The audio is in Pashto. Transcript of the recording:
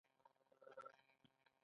دے ځکه محبت ته مې سالم پۀ دواړه السه